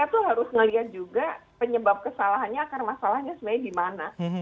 kita tuh harus ngelihat juga penyebab kesalahannya akar masalahnya sebenarnya di mana